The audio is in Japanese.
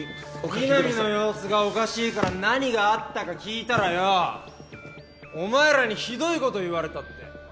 みなみの様子がおかしいから何があったか聞いたらよぉお前らにひどいこと言われたって。